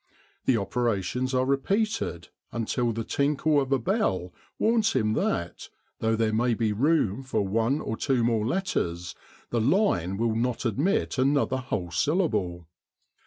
The operations are repeated until the tinkle of a bell warns him that, though there may be room for one or two more letters, the line will not admit another whole syllable.